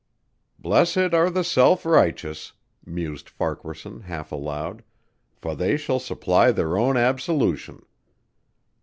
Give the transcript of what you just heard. "Blessed are the self righteous," mused Farquaharson half aloud, "for they shall supply their own absolution."